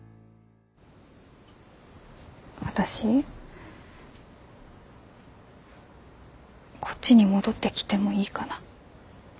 私こっちに戻ってきてもいいかな？